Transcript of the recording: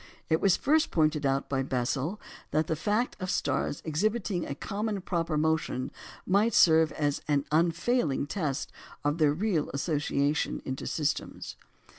It was first pointed out by Bessel that the fact of stars exhibiting a common proper motion might serve as an unfailing test of their real association into systems.